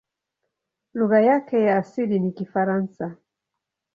Lugha yake ya asili ni Kifaransa.